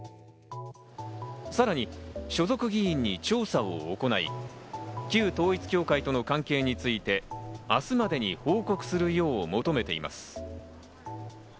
さらに所属議員に調査を行い、旧統一教会他の関係について、明日までに報告するよう求めています。